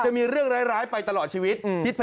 จะมีเรื่องร้ายร้ายไปตลอดชีวิตฯฮือพิสไพ